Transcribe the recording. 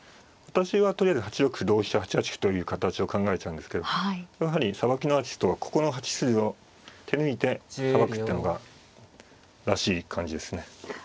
私はとりあえず８六歩同飛車８八歩という形を考えちゃうんですけどやはりさばきのアーティストはここの８筋を手抜いてさばくってのがらしい感じですね。